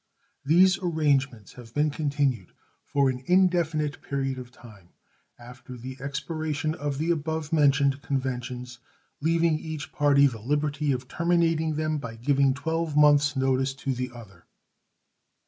These arrangements have been continued for an indefinite period of time after the expiration of the above mentioned conventions, leaving each party the liberty of terminating them by giving twelve months' notice to the other.